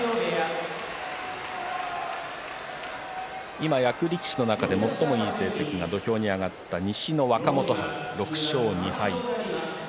今、役力士の中で最もいい成績が土俵に上がった西の若元春６勝２敗。